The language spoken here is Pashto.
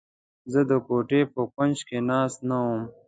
زه د کوټې په کونج کې ناست نه وم.